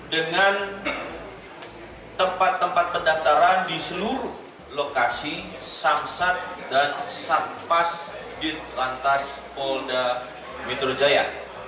dengan tempat tempat pendaftaran di seluruh lokasi samsat dan satpas dit lantas polda metro jaya